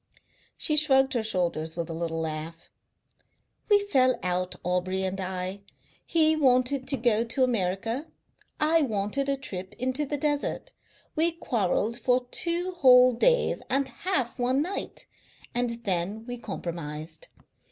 She shrugged her shoulders with a little laugh. "We fell out, Aubrey and I. He wanted to go to America. I wanted a trip into the desert. We quarrelled for two whole days and half one night, and then we compromised.